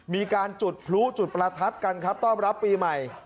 มีการจุดพลุจุดประทัดกันครับต้อนรับปีใหม่